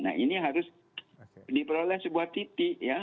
nah ini harus diperoleh sebuah titik ya